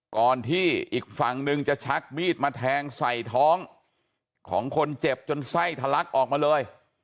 ก่อนที่อีกฝั่งหนึ่งจะชักมีดมาแทงใส่ท้องของคนเจ็บจนไส้ทะลักออกมาเลย